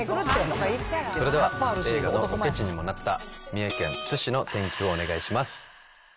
それでは映画のロケ地にもなった、三重県津市の天気をお願いしま